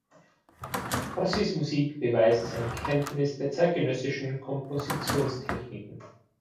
Rossis Musik beweist seine Kenntnis der zeitgenössischen Kompositionstechniken.